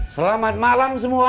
selamat malam semua